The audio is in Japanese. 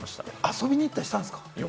遊びに行ったりしたんですか？